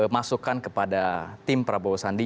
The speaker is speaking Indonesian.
masukan kepada tim prabowo sandi